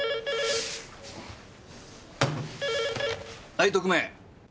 はい特命。